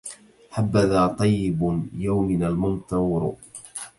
حبذا طيب يومنا الممطور